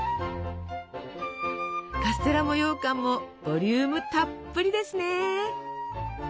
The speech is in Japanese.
カステラもようかんもボリュームたっぷりですね。